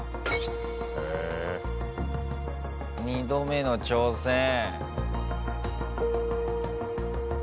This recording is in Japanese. ２度目の挑戦！